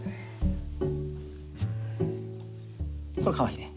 これかわいいね。